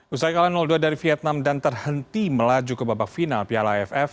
usai kalah dua dari vietnam dan terhenti melaju ke babak final piala aff